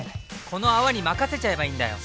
この泡に任せちゃえばいいんだよ！